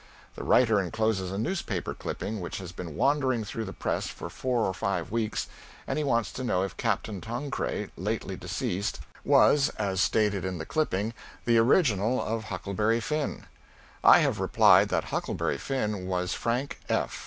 The writer encloses a newspaper clipping which has been wandering through the press for four or five weeks, and he wants to know if Capt Tonkray, lately deceased, was (as stated in the clipping) the original of "Huckleberry Finn." I have replied that "Huckleberry Finn" was Frank F.